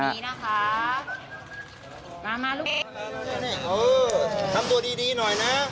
อ่าววทำตัวดีหน่อยนะ